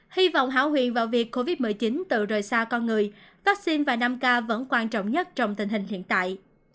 hy vọng hảo huyền vào việc covid một mươi chín từ rời xa con người vaccine và năm k vẫn quan trọng nhất trong tình hình hiện tại